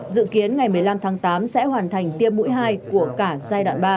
dự kiến ngày một mươi năm tháng tám sẽ hoàn thành tiêm mũi hai của cả giai đoạn ba